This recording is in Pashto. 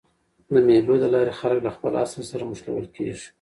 د مېلو له لاري خلک له خپل اصل سره مښلول کېږي.